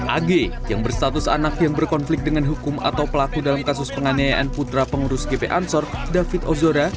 ag yang berstatus anak yang berkonflik dengan hukum atau pelaku dalam kasus penganiayaan putra pengurus gp ansor david ozora